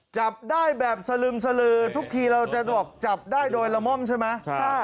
จับได้แบบสลึมสลือทุกทีเราจะบอกจับได้โดยละม่อมใช่ไหม